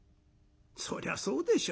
そりゃそうでしょ。